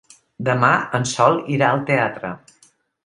Demà en Sol irà al teatre.